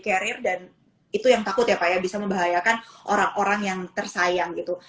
carrier dan itu yang takut ya pak ya bisa membahayakan orang orang yang tersayang gitu